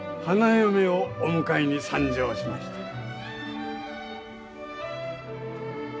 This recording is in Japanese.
花嫁をお迎えに参上しました。